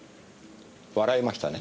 笑いましたね？